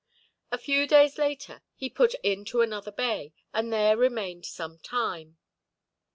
A few days later he put in to another bay, and there remained some time.